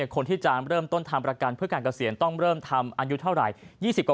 คนที่จะเริ่มต้นทำประกันเพื่อการเกษียณต้องเริ่มทำอายุเท่าไหร่